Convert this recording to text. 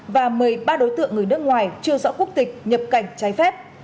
và một mươi ba đối tượng người nước ngoài chưa rõ quốc tịch nhập cảnh trái phép